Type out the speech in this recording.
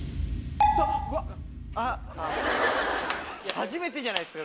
初めてじゃないっすか？